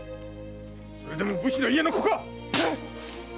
それでも武士の家の子か⁉〕